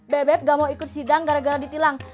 bebek gak mau ikut sidang gara gara ditilang